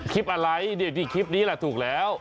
คลิปอะไรคลิปนี้แหละถูกแล้ว